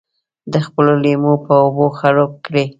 د خپلو لېمو په اوبو خړوب کړي.